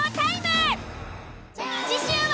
次週は。